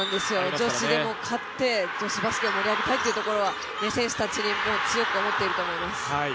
女子でも勝って、女子バスケを盛り上げたいということは選手たちも強く思っていると思います。